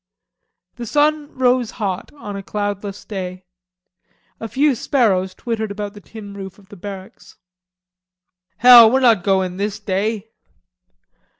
The sun rose hot on a cloudless day. A few sparrows twittered about the tin roof of the barracks. "Hell, we're not goin' this day."